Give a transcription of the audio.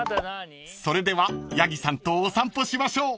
［それではヤギさんとお散歩しましょう］